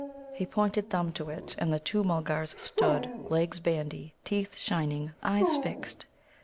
He pointed Thumb to it, and the two Mulgars stood, legs bandy, teeth shining, eyes fixed.